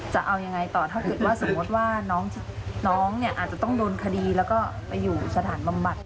จะเอายังไงต่อถ้าเกิดว่าสมมติว่าน้องเนี่ยอาจจะต้องโดนคดีแล้วก็ไปอยู่สถานบำบัด